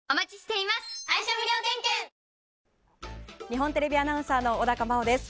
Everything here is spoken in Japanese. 日本テレビアナウンサーの小高茉緒です。